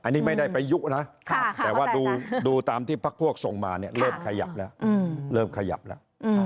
อันนี้ไม่ได้ไปยุ๊ะนะแต่ว่าดูตามที่พระพวกส่งมาเนี่ยเริ่มขยับแล้ว